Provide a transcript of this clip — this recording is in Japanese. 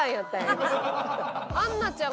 杏奈ちゃん